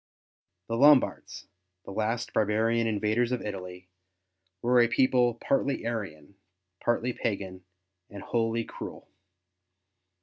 The Lombards, the last barbarian invaders of Italy, were a people partly Arian, partly pagan, and wholly cruel.